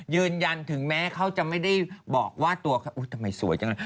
ยืนยันถึงแม้เขาจะไม่ได้บอกว่าตัวเขาอุ๊ยทำไมสวยจังเลย